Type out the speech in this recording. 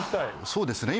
そうですね